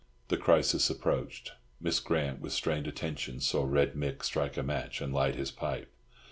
The crisis approached. Miss Grant, with strained attention, saw Red Mick strike a match, and light his pipe.